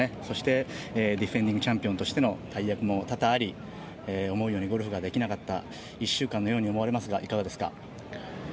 そしてディフェンディングチャンピオンとしての大役も多々あり思うようにゴルフができなかった１週間のように思われますが、いかがですか？